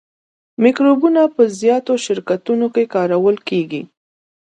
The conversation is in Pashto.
مکروبونه په زیاتو شرکتونو کې کارول کیږي.